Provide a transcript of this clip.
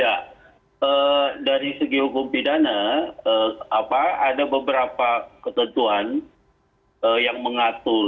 ya dari segi hukum pidana ada beberapa ketentuan yang mengatur